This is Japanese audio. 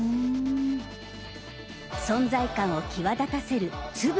存在感を際立たせる粒の大きさ。